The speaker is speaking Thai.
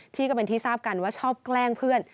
ก็เป็นที่ทราบกันว่าชอบแกล้งเพื่อน